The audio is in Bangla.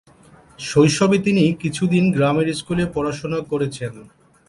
শৈশবে তিনি কিছুদিন গ্রামের স্কুলে পড়াশুনা করেছেন।